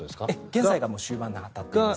現在が終盤に当たっています。